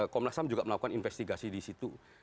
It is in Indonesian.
komnas ham juga melakukan investigasi di situ